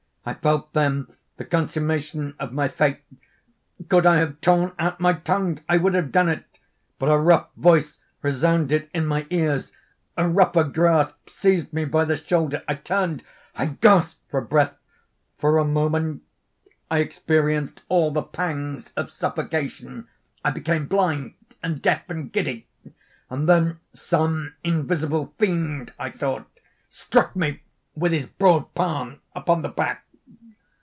I felt then the consummation of my fate. Could I have torn out my tongue, I would have done it, but a rough voice resounded in my ears—a rougher grasp seized me by the shoulder. I turned—I gasped for breath. For a moment I experienced all the pangs of suffocation; I became blind, and deaf, and giddy; and then some invisible fiend, I thought, struck me with his broad palm upon the back.